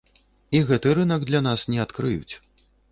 І гэты рынак для нас не адкрыюць.